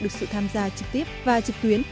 được sự tham gia trực tiếp và trực tuyến